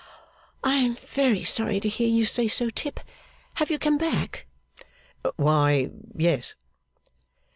'I am very sorry to hear you say so, Tip. Have you come back?' 'Why yes.